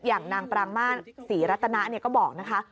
อย่างนางปรางมาตรศรีรัตนาก็บอกนะคะ